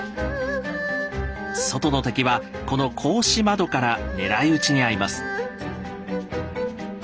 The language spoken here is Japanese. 外の敵はこの格子窓から狙い撃ちに遭います。